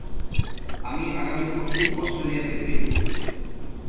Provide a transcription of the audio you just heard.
আমি আগামি পরশু অস্ট্রেলিয়াতে ফিরব।